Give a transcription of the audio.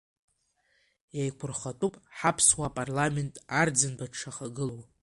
Еиқәырхатәуп ҳаԥсуа парламент Арӡынба дшахагылоу.